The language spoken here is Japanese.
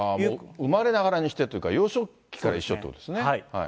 生まれながらにしてというか、幼少期から一緒っていうことです